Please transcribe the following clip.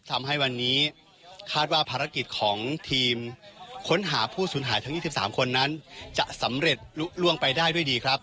ทำให้วันนี้คาดว่าภารกิจของทีมค้นหาผู้สูญหายทั้ง๒๓คนนั้นจะสำเร็จลุ้งไปได้ด้วยดีครับ